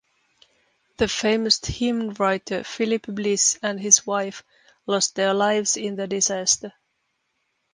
The famous hymnwriter Philip Bliss and his wife lost their lives in the disaster.